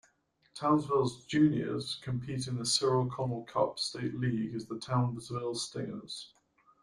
Townsville's juniors compete in the Cyril Connell Cup state league as the Townsville Stingers.